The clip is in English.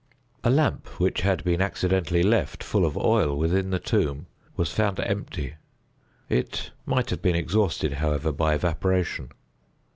A lamp which had been accidentally left, full of oil, within the tomb, was found empty; it might have been exhausted, however, by evaporation.